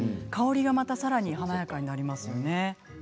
香りがまた更に華やかになりますよね。